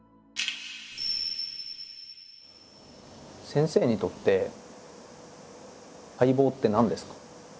先生にとって解剖って何ですか？